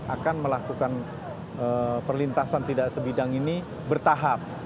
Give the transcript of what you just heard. akan melakukan perlintasan tidak sebidang ini bertahap